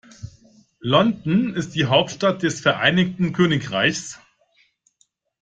London ist die Hauptstadt des Vereinigten Königreichs.